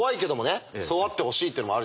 そうあってほしいっていうのもあるじゃないですか。